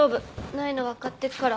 ないの分かってっから。